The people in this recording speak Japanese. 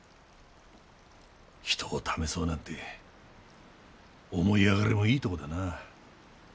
人を試そうなんて思い上がりもいいとこだな。